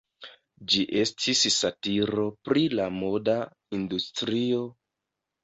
Ĝi estis satiro pri la moda industrio.